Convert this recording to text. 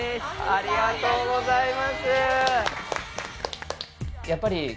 ありがとうございます！